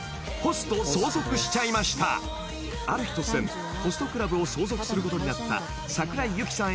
［ある日突然ホストクラブを相続することになった桜井ユキさん